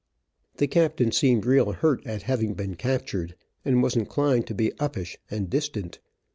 The captain seemed real hurt at having been captured, and was inclined to be uppish and distant.